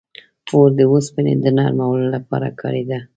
• اور د اوسپنې د نرمولو لپاره کارېده.